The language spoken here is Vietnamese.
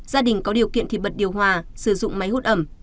gia đình có điều kiện thịt bật điều hòa sử dụng máy hút ẩm